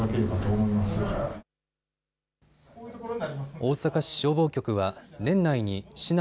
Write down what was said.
大阪市消防局は年内に市内